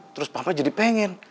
terus papa jadi pengen